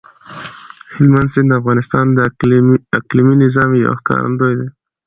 هلمند سیند د افغانستان د اقلیمي نظام یو ښکارندوی دی.